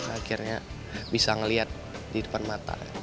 akhirnya bisa melihat di depan mata